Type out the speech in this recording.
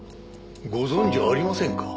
ご存じありませんか？